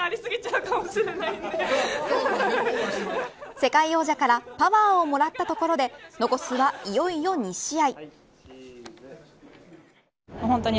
世界王者からパワーをもらったところで残すは、いよいよ２試合。